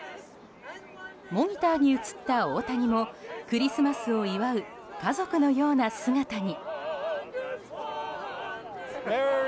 モニターに映った大谷もクリスマスを祝う家族のような姿に。